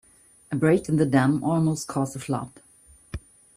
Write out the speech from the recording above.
A break in the dam almost caused a flood.